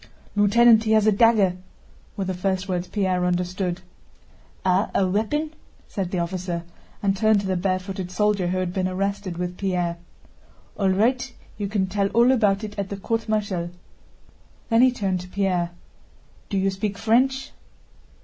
"Lieutenant, he has a dagger," were the first words Pierre understood. "Ah, a weapon?" said the officer and turned to the barefooted soldier who had been arrested with Pierre. "All right, you can tell all about it at the court martial." Then he turned to Pierre. "Do you speak French?"